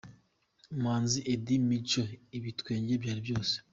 Umuhanzi Eddie Mico ibitwenge byari byose.